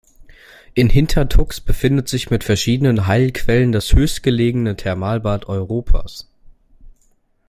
In Hintertux befindet sich mit verschiedenen Heilquellen das höchstgelegene Thermalbad Europas.